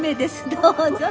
どうぞ。